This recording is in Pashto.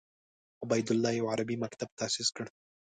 عبیدالله یو عربي مکتب تاسیس کړ.